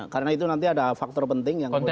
karena itu nanti ada faktor penting yang kemudian